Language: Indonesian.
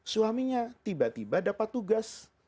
suaminya tiba tiba dapat tugas